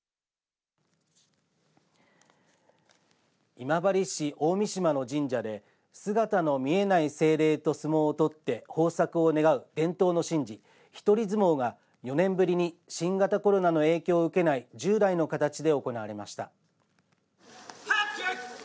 今治市、大三島の神社で姿の見えない精霊と相撲をとって豊作を願う伝統の神事一人角力が４年ぶりに新型コロナの影響を受けない従来の形で行われました。